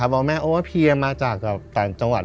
ว่าพลีอมาจากต่างจังหวัด